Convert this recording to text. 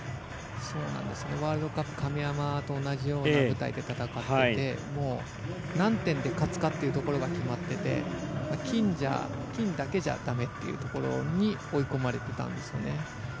ワールドカップ亀山と同じような舞台で戦ってて何点で勝つかというところが決まっていて金だけじゃだめっていうところに追い込まれてたんですよね。